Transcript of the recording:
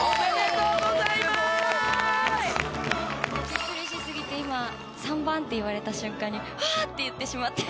ビックリしすぎて今３番って言われた瞬間に「わあっ！」って言ってしまって。